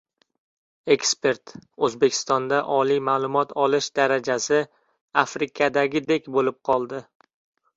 Ekspert: «O‘zbekistonda oliy ma’lumot olish darajasi Afrikadagidek bo‘lib qoldi»